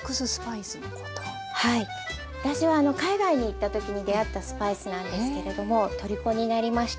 私はあの海外に行った時に出合ったスパイスなんですけれども虜になりました。